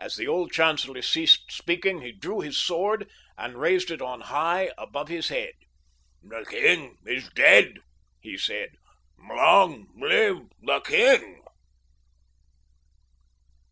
As the old chancellor ceased speaking he drew his sword and raised it on high above his head. "The king is dead," he said. "Long live the king!"